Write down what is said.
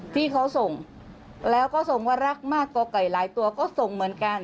ที่เขาส่งแล้วก็ส่งว่ารักมากตัวไก่หลายตัวก็ส่งเหมือนกัน